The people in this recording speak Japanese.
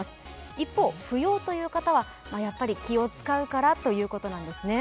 一方、不要という方は気を遣うからということなんですね。